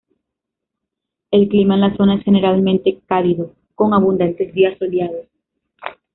El clima en la zona es generalmente cálido, con abundantes días soleados.